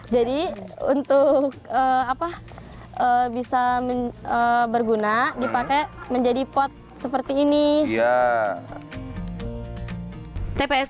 jadi untuk bisa berguna dipakai menjadi pot seperti ini